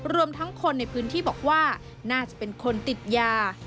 รวมทั้งคนในพื้นที่บอกว่าน่าจะเป็นคนติดยา